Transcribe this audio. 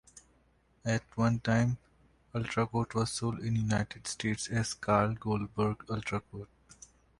At one time Ultracote was sold in the United States as Carl Goldberg Ultracote.